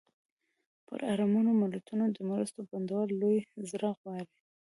پر اړمنو ملتونو د مرستو بندول لوی زړه غواړي.